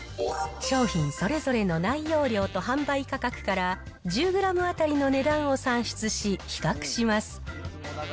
商品それぞれの内容量と販売価格から、１０グラム当たりの値段を算出し、比較します。